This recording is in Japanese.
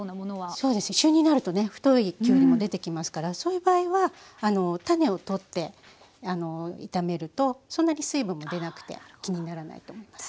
そうですね旬になるとね太いきゅうりも出てきますからそういう場合は種を取って炒めるとそんなに水分も出なくて気にならないと思います。